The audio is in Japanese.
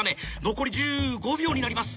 残り１５秒になります。